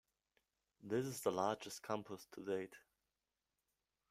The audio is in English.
This is the largest campus to date.